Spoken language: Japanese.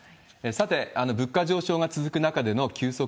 さて、物価上昇が続く中での急速